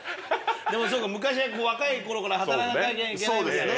でもそっか昔は若い頃から働かなきゃいけないからね。